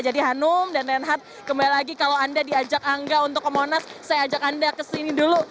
jadi hanum dan nenhat kembali lagi kalau anda diajak angga untuk komonas saya ajak anda ke sini dulu